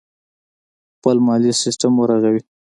خپل مالي سیستم ورغوي.